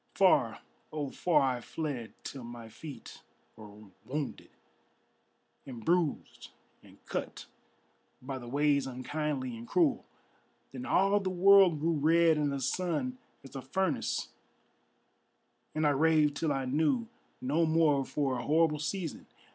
Far, oh far I fled till my feet were wounded And bruised and cut by the ways unkindly and cruel. Then all the world grew red and the sun as a furnace, And I raved till I knew no more for a horrible season.